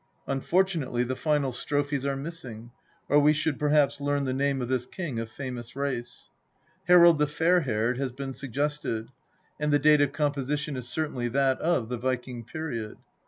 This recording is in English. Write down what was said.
Unfor tunately the final strophes are missing, or we should perhaps learn the name of this king of famous race. Harald the Fair haired has been suggested, and the date of composition is certainly that of the Viking period.